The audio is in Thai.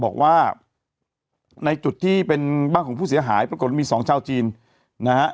บอกว่าในจุดที่เป็นบ้านของผู้เสียหายปรากฏว่ามีสองชาวจีนนะฮะ